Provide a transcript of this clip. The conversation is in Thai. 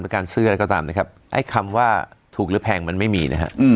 การซื้ออะไรก็ตามนะครับไอ้คำว่าถูกหรือแพงมันไม่มีนะฮะ